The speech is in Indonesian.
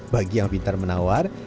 bagi yang pintar menawar